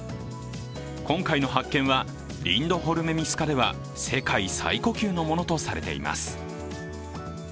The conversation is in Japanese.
今回の発見はリンドホルメミス科では世界最古級のものとされています。